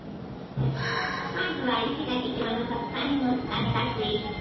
まずは石垣島の特産品を使ったスイーツ！